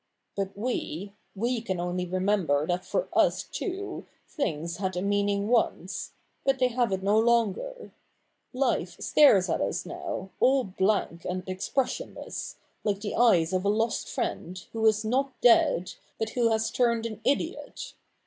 56 THE NEW REPUBLIC [bk. i But we — we can only remember that for us, too, things had a meaning once ; but they have it no longer. Life stares at us now, all blank and expressionless, like the eyes of a lost friend, who is not dead, but who has turned an idiot.